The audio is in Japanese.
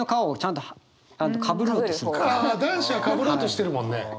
ああ男子はかぶろうとしてるもんね。